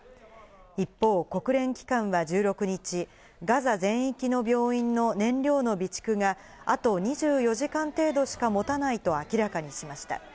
一方、国連機関は１６日、ガザ全域の病院の燃料の備蓄があと２４時間程度しかもたないと明らかにしました。